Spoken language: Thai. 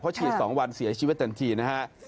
เพราะฉีด๒วันเสียชีวิตกันทีนะครับ